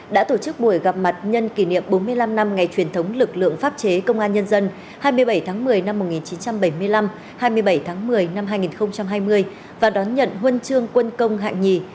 đã tổ chức buổi gặp mặt nhân kỷ niệm bốn mươi năm năm ngày truyền thống lực lượng pháp chế công an nhân dân hai mươi bảy tháng một mươi năm một nghìn chín trăm bảy mươi năm hai mươi bảy tháng một mươi năm hai nghìn hai mươi và đón nhận huân chương quân công hạng nhì